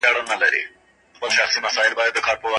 سایکي د فلزاتو اسټروېډ دی.